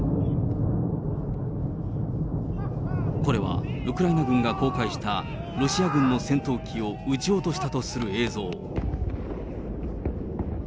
これは、ウクライナ軍が公開したロシア軍の戦闘機を撃ち落としたとする映像。